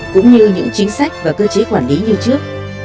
cũng như những chính sách và cơ chế quản lý như trước